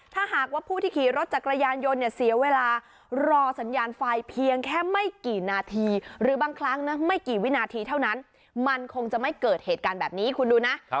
ถ้าหากว่าผู้ที่ขี่รถจักรยานยนต์เนี่ยเสียเวลารอสัญญาณไฟเพียงแค่ไม่กี่นาทีหรือบางครั้งนะไม่กี่วินาทีเท่านั้นมันคงจะไม่เกิดเหตุการณ์แบบนี้คุณดูนะ